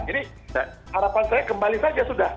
jadi harapan saya kembali saja sudah